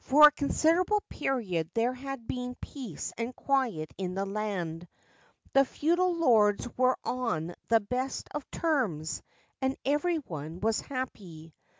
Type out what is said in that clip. For a considerable period there had been peace and quiet in the land ; the feudal lords were on the best of terms, and every one was happy.